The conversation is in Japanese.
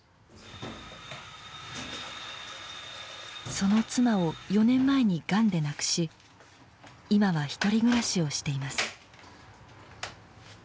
その妻を４年前にがんで亡くし今はひとり暮らしをしています。